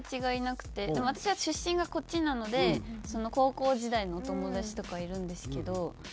でも私は出身がこっちなので高校時代のお友達とかはいるんですけど。